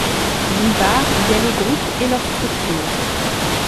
D’une part, il y a les groupes et leurs structures.